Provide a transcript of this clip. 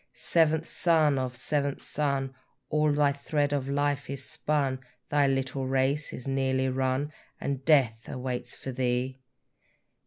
Seventh son of seventh son, All thy thread of life is spun, Thy little race is nearly run, And death awaits for thee!